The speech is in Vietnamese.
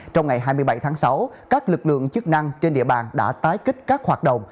trong ngày hai mươi bảy tháng sáu các lực lượng chức năng trên địa bàn đã tái kích các hoạt động